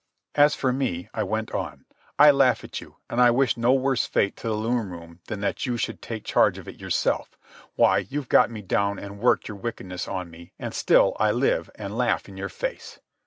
"As for me," I went on, "I laugh at you, and I wish no worse fate to the loom room than that you should take charge of it yourself. Why, you've got me down and worked your wickedness on me, and still I live and laugh in your face.